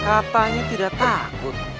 katanya tidak takut